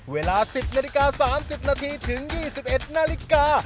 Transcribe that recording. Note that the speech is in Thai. เวลา๑๐นาฬิกา๓๐นาทีถึง๒๑นาฬิกา